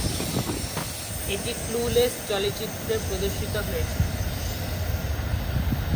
এটি ক্লুলেস চলচ্চিত্রে প্রদর্শিত হয়েছিল।